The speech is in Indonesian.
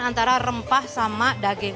antara rempah sama daging